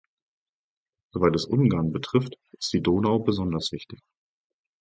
Soweit es Ungarn betrifft, ist die Donau besonders wichtig.